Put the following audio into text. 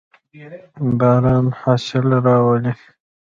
باران حاصل راولي.